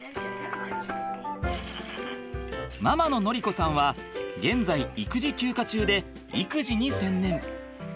ママの典子さんは現在育児休暇中で育児に専念。